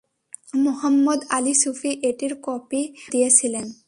মুহাম্মদ আলী সূফী এটির কপি করে দিয়েছিলেন।